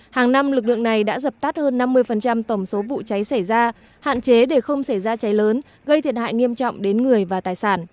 hàng năm lực lượng này đã dập tắt hơn năm mươi tổng số vụ cháy xảy ra hạn chế để không xảy ra cháy lớn gây thiệt hại nghiêm trọng đến người và tài sản